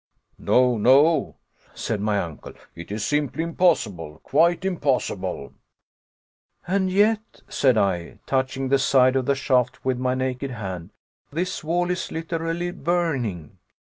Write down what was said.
"No, no," said my uncle, "it is simply impossible, quite impossible." "And yet," said I, touching the side of the shaft with my naked hand, "this wall is literally burning."